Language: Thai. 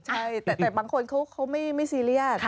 ใช่แต่บางคนเขาไม่ซีเรียส